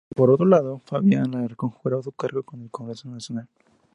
Por otro lado, Fabián Alarcón juraba su cargo en el Congreso Nacional.